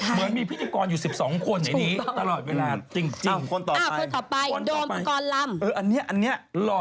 เหมือนมีพิจิกรรมอยู่๑๒คนไหนนี้